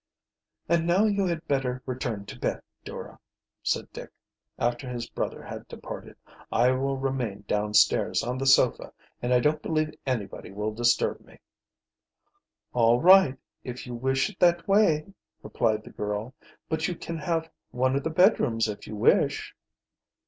"And now you had better return to bed, Dora," said Dick, after his brother had departed. "I will remain downstairs, on the sofa, and I don't believe anybody will disturb me." "All right, if you wish it that way," replied the girl. "But you can have one of the bedrooms if you wish."